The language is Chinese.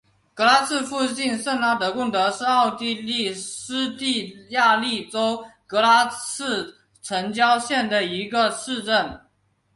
格拉茨附近圣拉德贡德是奥地利施蒂利亚州格拉茨城郊县的一个市镇。